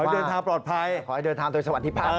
ระหว่างเดินทางปลอดภัย